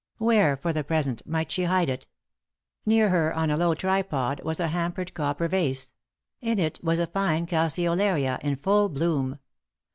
Where, for the present, might she hide it? Near her, on a low tripod, was a hammered copper vase ; in it was a fine calceolaria, in full bloom.